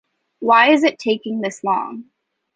Why is it taking this long?